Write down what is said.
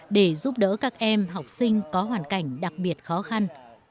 để giúp đỡ các em học sinh có hoàn cảnh đặc biệt khó khăn